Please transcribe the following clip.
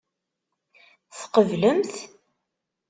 Tqeblemt?